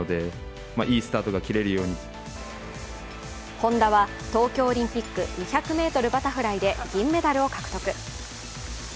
本多は東京オリンピック２００ｍバタフライで銀メダルを獲得。